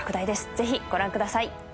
ぜひご覧ください